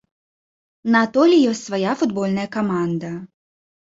На атоле ёсць свая футбольная каманда.